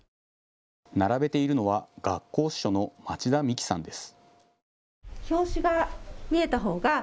並べているのは学校司書の町田美紀さんです。